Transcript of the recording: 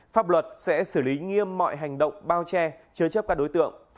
pháp luật sẽ xử lý nghiêm mọi hành động bao che chứa chấp các đối tượng